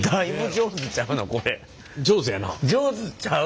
上手ちゃう？